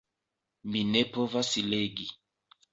Mi ne povas legi.